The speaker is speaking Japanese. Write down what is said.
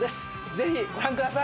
ぜひご覧ください！